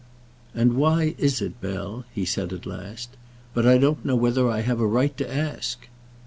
"And why is it, Bell?" he said, at last. "But I don't know whether I have a right to ask."